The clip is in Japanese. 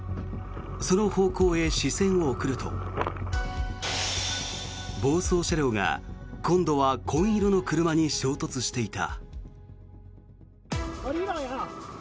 その方向へ視線を送ると暴走車両が今度は紺色の車に衝突していた。